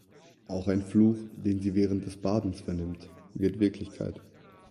Auch ein Fluch, den sie während des Bades vernimmt, wird Wirklichkeit.